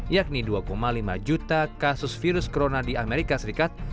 yakni dua lima juta kasus virus corona di amerika serikat